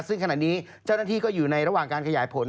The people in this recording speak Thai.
ซึ่งขณะนี้เจ้าหน้าที่ก็อยู่ในระหว่างการขยายผล